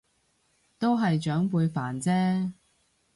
都係長輩煩啫